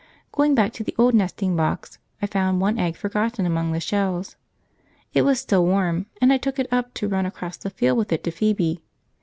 Going back to the old nesting box, I found one egg forgotten among the shells. It was still warm, and I took it up to run across the field with it to Phoebe.